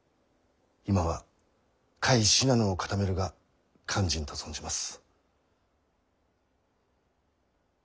今は甲斐信濃を固めるが肝心と存じます。